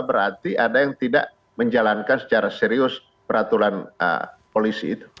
berarti ada yang tidak menjalankan secara serius peraturan polisi itu